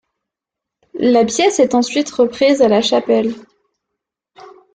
La pièce est ensuite reprise à La Chapelle.